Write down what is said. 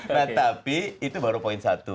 nah tapi itu baru poin satu